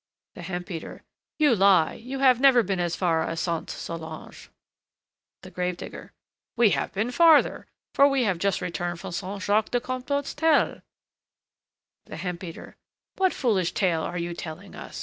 THE HEMP BEATER. You lie; you have never been as far as Sainte Solange. THE GRAVE DIGGER. We have been farther, for we have just returned from Saint Jacques de Compostelle. THE HEMP BEATER. What foolish tale are you telling us?